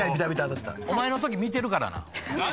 お前のとき見てるからな。